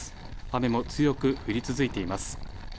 雨も強く降り続いています。